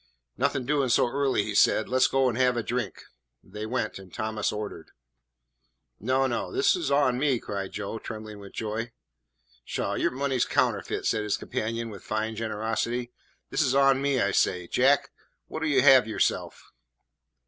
"Nothin' doin' so early," he said; "let 's go an' have a drink." They went, and Thomas ordered. "No, no, this is on me," cried Joe, trembling with joy. "Pshaw, your money 's counterfeit," said his companion with fine generosity. "This is on me, I say. Jack, what 'll you have yourself?"